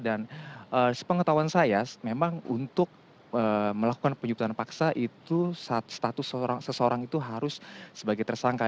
dan sepengetahuan saya memang untuk melakukan penjemputan paksa itu status seseorang itu harus sebagai tersangka